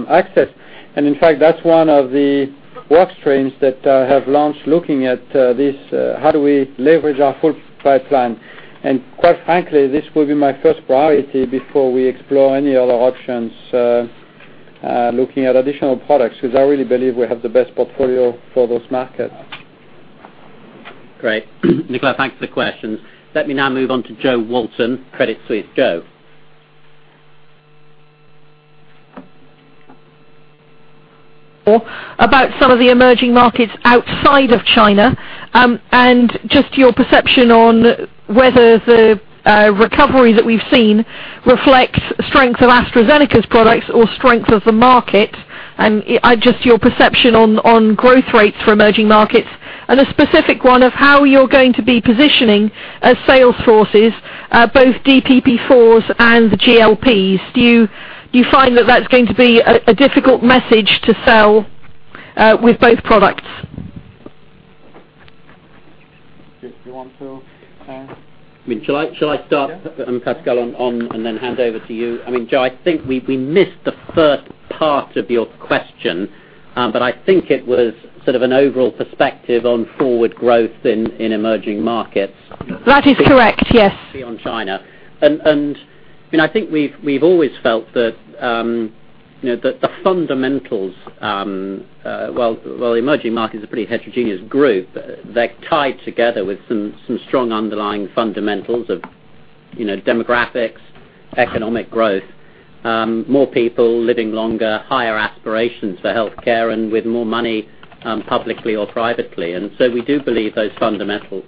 access. In fact, that's one of the work streams that I have launched looking at this, how do we leverage our full pipeline? Quite frankly, this will be my first priority before we explore any other options, looking at additional products, because I really believe we have the best portfolio for those markets. Great. Nicolas, thanks for the questions. Let me now move on to Jo Walton, Credit Suisse. Jo. About some of the emerging markets outside of China, and just your perception on whether the recovery that we've seen reflects strength of AstraZeneca's products or strength of the market, and just your perception on growth rates for emerging markets. A specific one of how you're going to be positioning sales forces, both DPP-4s and the GLPs. Do you find that that's going to be a difficult message to sell with both products? If you want to answer. Shall I start, Pascal, and then hand over to you? Jo, I think we missed the first part of your question, but I think it was sort of an overall perspective on forward growth in emerging markets. That is correct, yes. On China. I think we've always felt that the fundamentals, while the emerging market is a pretty heterogeneous group, they're tied together with some strong underlying fundamentals of demographics, economic growth, more people living longer, higher aspirations for healthcare, and with more money, publicly or privately. We do believe those fundamentals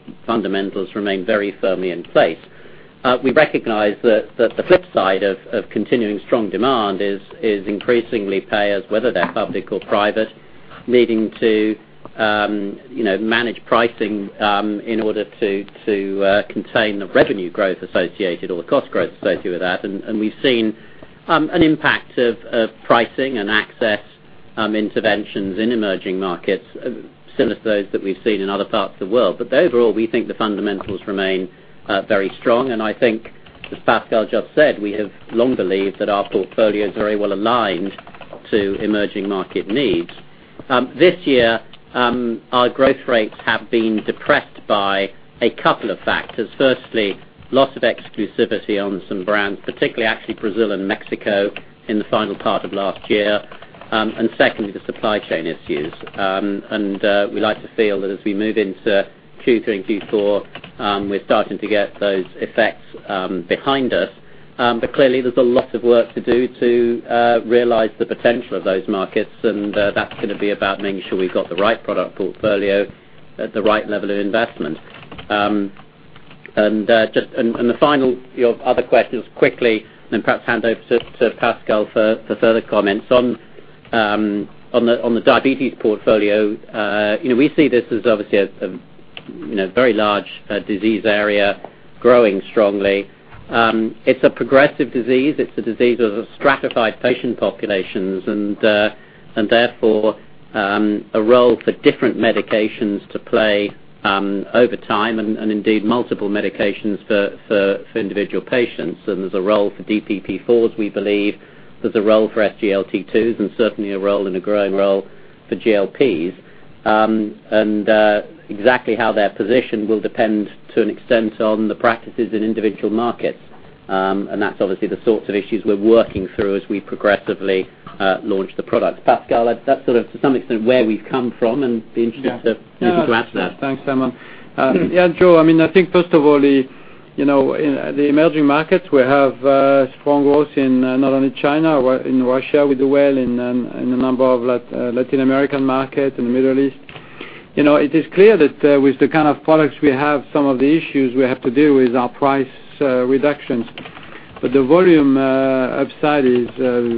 remain very firmly in place. We recognize that the flip side of continuing strong demand is increasingly payers, whether they're public or private, needing to manage pricing in order to contain the revenue growth associated or the cost growth associated with that. We've seen an impact of pricing and access interventions in emerging markets, similar to those that we've seen in other parts of the world. Overall, we think the fundamentals remain very strong. I think, as Pascal just said, we have long believed that our portfolio is very well aligned to emerging market needs. This year, our growth rates have been depressed by a couple of factors. Firstly, loss of exclusivity on some brands, particularly actually Brazil and Mexico, in the final part of last year. Secondly, the supply chain issues. We like to feel that as we move into Q3 and Q4, we're starting to get those effects behind us. Clearly, there's a lot of work to do to realize the potential of those markets, and that's going to be about making sure we've got the right product portfolio at the right level of investment. The final of your other questions quickly, and then perhaps hand over to Pascal for further comments. On the diabetes portfolio, we see this as obviously a very large disease area growing strongly. It's a progressive disease, it's a disease of stratified patient populations, and therefore, a role for different medications to play over time, and indeed multiple medications for individual patients. There's a role for DPP-4s, we believe. There's a role for SGLT2s, and certainly a role, and a growing role for GLPs. Exactly how they're positioned will depend to an extent on the practices in individual markets. That's obviously the sorts of issues we're working through as we progressively launch the products. Pascal, that's sort of to some extent where we've come from, and be interested to hear you to add to that. Thanks, Simon. Yeah, Jo, I think first of all, in the emerging markets, we have strong growth in not only China, in Russia we do well, in a number of Latin American markets, in the Middle East. It is clear that with the kind of products we have, some of the issues we have to deal with are price reductions. The volume upside is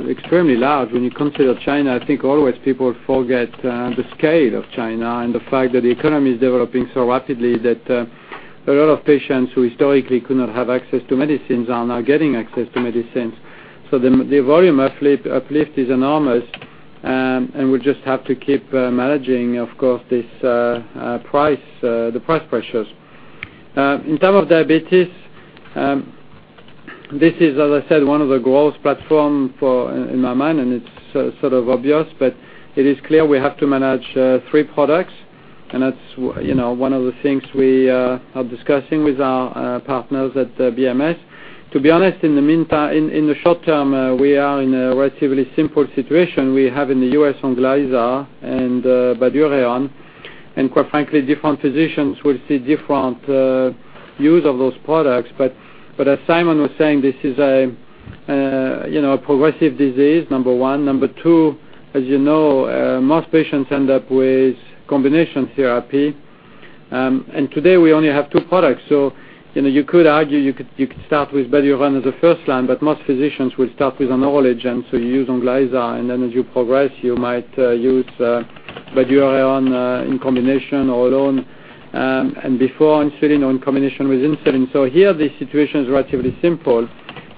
extremely large. When you consider China, I think always people forget the scale of China and the fact that the economy is developing so rapidly that a lot of patients who historically could not have access to medicines are now getting access to medicines. The volume uplift is enormous, and we just have to keep managing, of course, the price pressures. In term of diabetes, this is, as I said, one of the growth platform in my mind, and it's sort of obvious, but it is clear we have to manage three products. That's one of the things we are discussing with our partners at BMS. To be honest, in the short term, we are in a relatively simple situation. We have in the U.S. ONGLYZA and Bydureon, and quite frankly, different physicians will see different use of those products. As Simon was saying, this is a progressive disease, number one. Number two, as you know, most patients end up with combination therapy. Today we only have two products. You could argue, you could start with Bydureon as a first line, but most physicians will start with an oral agent. You use ONGLYZA, and then as you progress, you might use Bydureon in combination or alone, and before insulin or in combination with insulin. Here the situation is relatively simple.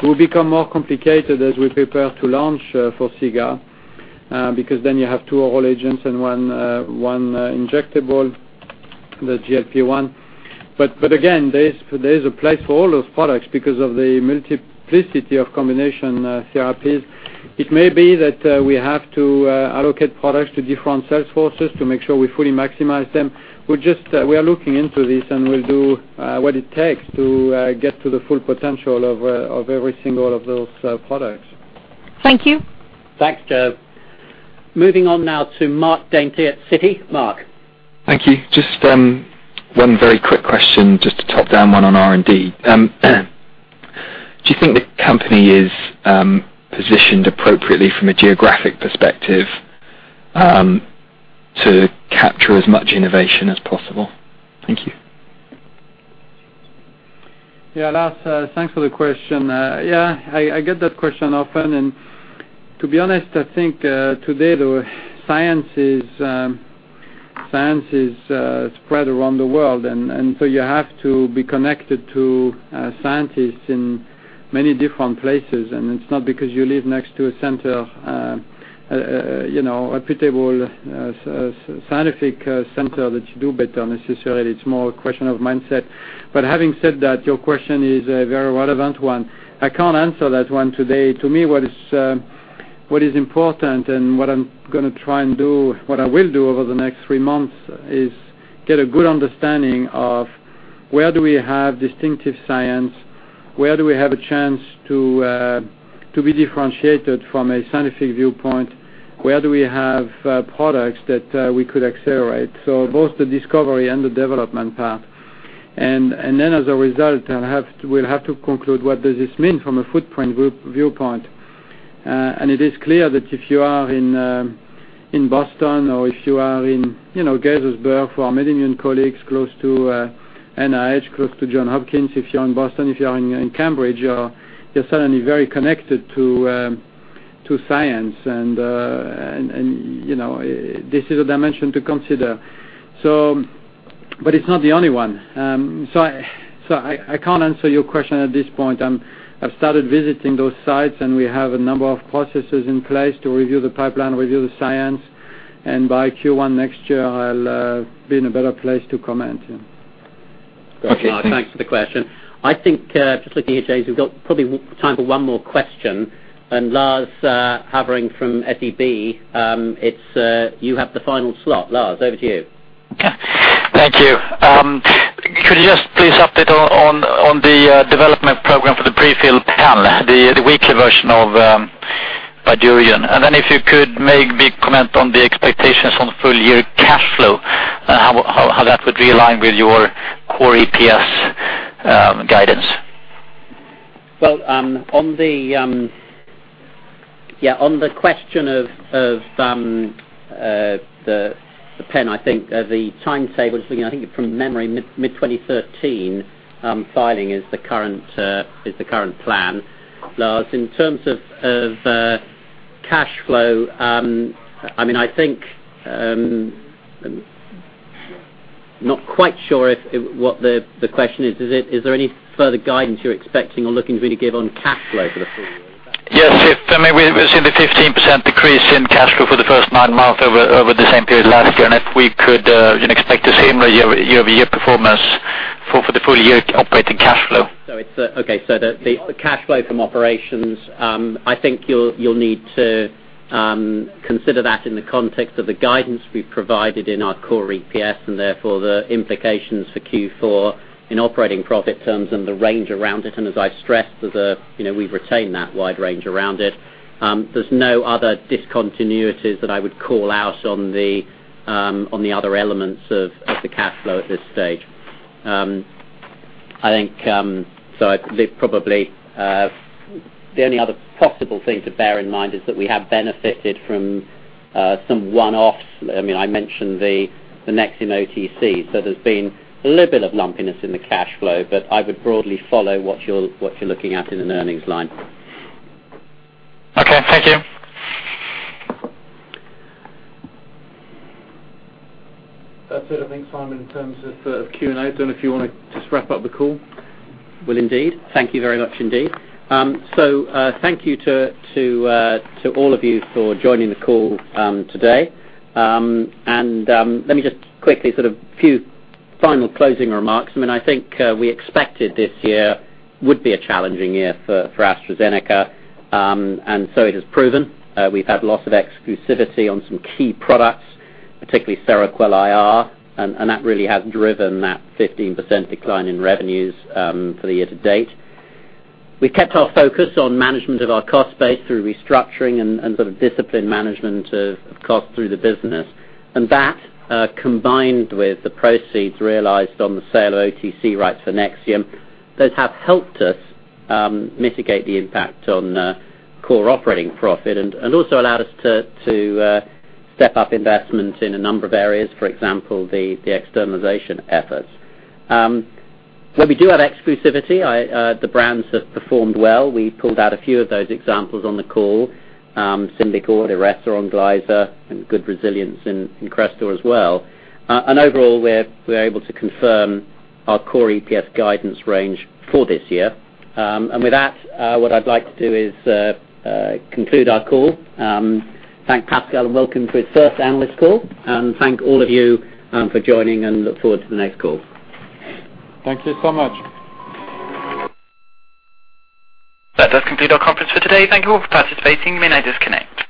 It will become more complicated as we prepare to launch Forxiga, because then you have two oral agents and one injectable, the GLP-1. Again, there is a place for all those products because of the multiplicity of combination therapies. It may be that we have to allocate products to different sales forces to make sure we fully maximize them. We are looking into this and we'll do what it takes to get to the full potential of every single of those products. Thank you. Thanks, Jo. Moving on now to Lars Havering at Citi. Mark. Thank you. Just one very quick question, just a top-down one on R&D. Do you think the company is positioned appropriately from a geographic perspective to capture as much innovation as possible? Thank you. Yeah, Lars, thanks for the question. I get that question often. To be honest, I think today the science is spread around the world. You have to be connected to scientists in many different places. It's not because you live next to a reputable scientific center that you do better necessarily. It's more a question of mindset. Having said that, your question is a very relevant one. I can't answer that one today. To me, what is important and what I'm going to try and do, what I will do over the next three months is get a good understanding of where do we have distinctive science, where do we have a chance to be differentiated from a scientific viewpoint? Where do we have products that we could accelerate? Both the discovery and the development part. As a result, we'll have to conclude what does this mean from a footprint viewpoint. It is clear that if you are in Boston or if you are in Gaithersburg for our MedImmune colleagues close to NIH, close to Johns Hopkins, if you're in Boston, if you're in Cambridge, you're suddenly very connected to science and this is a dimension to consider. It's not the only one. I can't answer your question at this point. I've started visiting those sites. We have a number of processes in place to review the pipeline, review the science, and by Q1 next year, I'll be in a better place to comment. Okay, thanks. Great, Lars. Thanks for the question. I think, just looking here, James, we've got probably time for one more question. Lars Havering from SEB, you have the final slot. Lars, over to you. Thank you. Could you just please update on the development program for the prefilled pen, the weekly version of Bydureon? If you could maybe comment on the expectations on full-year cash flow, how that would realign with your core EPS guidance. Well, on the question of the pen, I think the timetable is looking, I think from memory, mid-2013 filing is the current plan, Lars. In terms of cash flow, I think I'm not quite sure what the question is. Is there any further guidance you're expecting or looking to maybe give on cash flow for the full year? Is that? Yes. We've seen the 15% decrease in cash flow for the first nine months over the same period last year. If we could expect a similar year-over-year performance for the full-year operating cash flow. Okay, the cash flow from operations, I think you'll need to consider that in the context of the guidance we've provided in our core EPS and therefore the implications for Q4 in operating profit terms and the range around it. As I stressed, we've retained that wide range around it. There's no other discontinuities that I would call out on the other elements of the cash flow at this stage. Probably the only other possible thing to bear in mind is that we have benefited from some one-offs. I mentioned the Nexium OTC, there's been a little bit of lumpiness in the cash flow, I would broadly follow what you're looking at in an earnings line. Okay. Thank you. That's it, I think, Simon, in terms of Q&A. Don't know if you want to just wrap up the call. Will indeed. Thank you very much indeed. Thank you to all of you for joining the call today. Let me just quickly sort of few final closing remarks. I think we expected this year would be a challenging year for AstraZeneca, it has proven. We've had loss of exclusivity on some key products, particularly Seroquel IR, that really has driven that 15% decline in revenues for the year to date. We've kept our focus on management of our cost base through restructuring and sort of disciplined management of cost through the business. That, combined with the proceeds realized on the sale of OTC rights for Nexium, those have helped us mitigate the impact on core operating profit and also allowed us to step up investment in a number of areas, for example, the externalization efforts. Where we do have exclusivity, the brands have performed well. We pulled out a few of those examples on the call. Symbicort, Iressa, ONGLYZA, and good resilience in Crestor as well. Overall, we're able to confirm our core EPS guidance range for this year. With that, what I'd like to do is conclude our call. Thank Pascal and welcome to his first analyst call, and thank all of you for joining and look forward to the next call. Thank you so much. That does conclude our conference for today. Thank you all for participating. You may now disconnect.